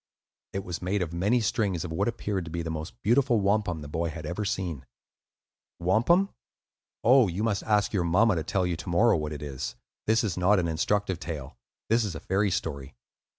It was made of many strings of what appeared to be the most beautiful wampum the boy had ever seen. (Wampum? Oh, you must ask your mamma to tell you to morrow what it is; this is not an instructive tale, this is a fairy story.)